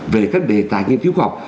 về các đề tài nghiên cứu khoa học